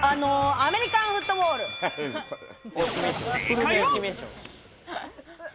アメリカンフットボール部です。